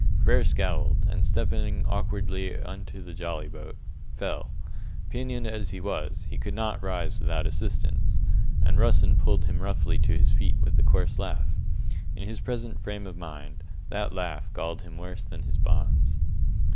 Frere scowled, and, stepping awkwardly into the jolly boat, fell. Pinioned as he was, he could not rise without assistance, and Russen pulled him roughly to his feet with a coarse laugh. In his present frame of mind, that laugh galled him worse than his bonds.